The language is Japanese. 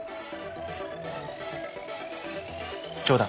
冗談。